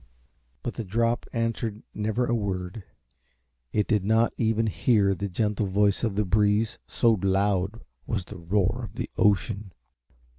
But the drop answered never a word. It did not even hear the gentle voice of the breeze, so loud was the roar of the ocean.